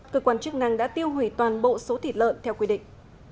cơ quan chức năng đã tiêu hủy toàn bộ số thịt lợn theo quy định